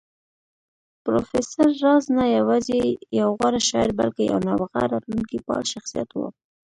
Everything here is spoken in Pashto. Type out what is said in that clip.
پروفېسر راز نه يوازې يو غوره شاعر بلکې يو نابغه راتلونکی پال شخصيت و